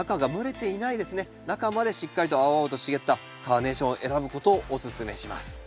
中までしっかりと青々と茂ったカーネーションを選ぶことをおすすめします。